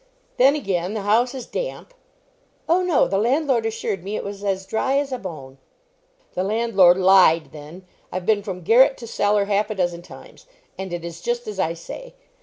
Then, again, the house is damp." "Oh, no. The landlord assured me it was as dry as a bone." "The landlord lied, then. I've been from garret to cellar half a dozen times, and it is just as I say.